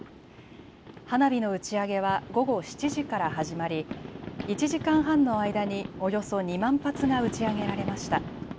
花火の打ち上げは午後７時から始まり１時間半の間におよそ２万発が打ち上げられました。